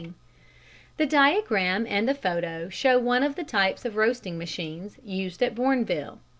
] The diagram and photo show one of the types of roasting machines used at Bournville.